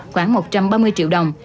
khoảng một trăm ba mươi triệu đồng